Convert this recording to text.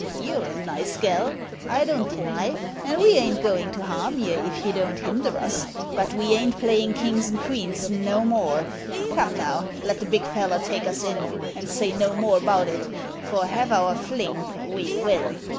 You're a nice gal, I don't deny, and we ain't going to harm ye if ye don't hinder us; but we ain't playin' kings an' queens no more. Come now, let the big feller take us in, and say no more about it, for have our fling, we will."